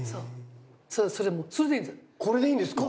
これでいいんですか？